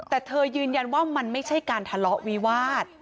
แต่เธอยืนยันว่ามันไม่ใช่การทะเลาะวิวาส